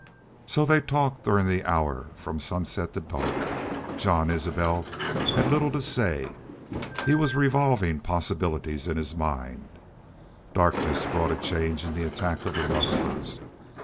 So they talked during the hour from sunset to dark. Jean Isbel had little to say. He was revolving possibilities in his mind. Darkness brought a change in the attack of the rustlers.